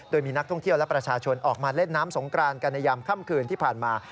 โดยมีนักท่องเที่ยวและประชาชนออกมาเล่นน้ำสงกรานกันในยามค่ำคืนที่ผ่านมา